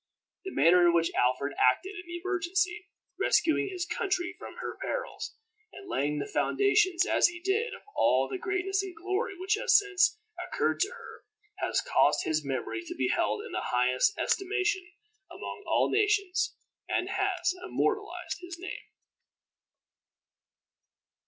The manner in which Alfred acted in the emergency, rescuing his country from her perils, and laying the foundations, as he did, of all the greatness and glory which has since accrued to her, has caused his memory to be held in the highest estimation among all nations, and has immortalized his name.